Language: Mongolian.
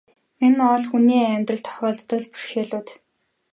Эдгээр бол хүний амьдралд тохиолддог л бэрхшээлүүд.